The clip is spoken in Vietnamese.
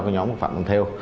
cái nhóm phạm văn thêu